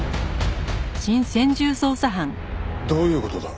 どういう事だ？